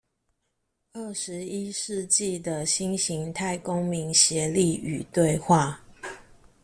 二十一世紀的新型態公民協力與對話